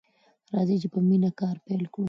راځئ چې په مینه کار پیل کړو.